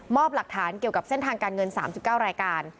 หลักฐานเกี่ยวกับเส้นทางการเงิน๓๙รายการ